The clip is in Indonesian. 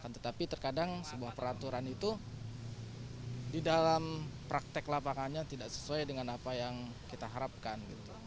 tetapi terkadang sebuah peraturan itu di dalam praktek lapangannya tidak sesuai dengan apa yang kita harapkan